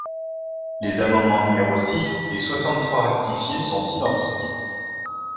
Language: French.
Les amendements numéros six et soixante-trois rectifié sont identiques.